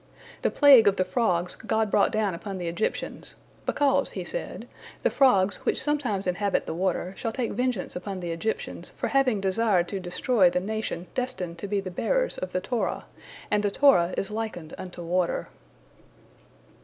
The plague of the frogs God brought down upon the Egyptians, "because," He said, "the frogs, which sometimes inhabit the water, shall take vengeance upon the Egyptians for having desired to destroy the nation destined to be the bearers of the Torah, and the Torah is likened unto water."